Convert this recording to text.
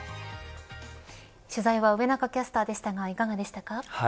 取材は上中キャスターでしたがいかがでしたか。